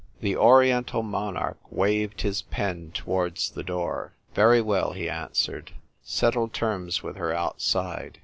The Oriental monarch waved his pen to wards the door. " Very well," he answered. " Settle terms with her outside.